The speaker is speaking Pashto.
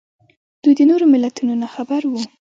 دوی د نورو ملتونو نه خبر وو